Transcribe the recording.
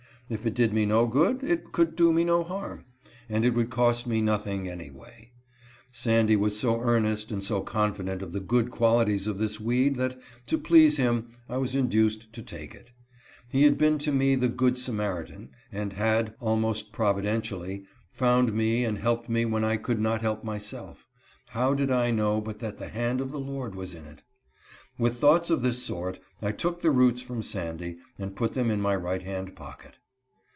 If it did me no good it could do me no harm, and it would cost me nothing any way. Sandy was so earnest and so con fident of the good qualities of this weed that, to please him, I was induced to take it. He had been to me the good Samaritan, and had, almost providentially, found me and helped me when I could not help myself ; how did I know but that the hand of the Lord was in it ? With thoughts of this sort I took the roots from Sandy and put them in my right hand pocket.